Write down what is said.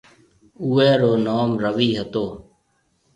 اُوئي رو نوم رويِ ھتو۔